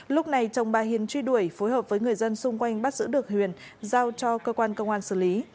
lúc này chồng bà hiền truy đuổi phối hợp với người dân xung quanh bắt giữ được huyền giao cho cơ quan công an xử lý